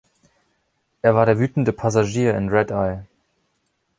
Er war der wütende Passagier in „Red Eye“.